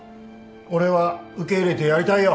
俺は受け入れてやりたいよ。